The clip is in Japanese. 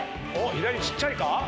左ちっちゃいか？